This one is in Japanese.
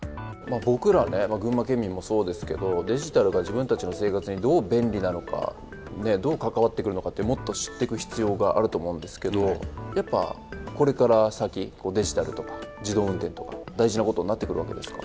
僕らね群馬県民もそうですけどデジタルが自分たちの生活にどう便利なのかどう関わってくるのかってもっと知ってく必要があると思うんですけどやっぱこれから先デジタルとか自動運転とか大事なことになってくるわけですか？